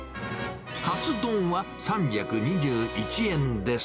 カツ丼は３２１円です。